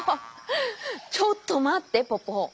ちょっとまってポポ！